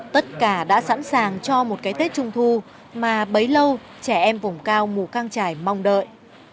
tất cả đã sẵn sàng cho một cái tết trung thu mà bấy lâu trẻ em vùng cao mù căng trải mong đợi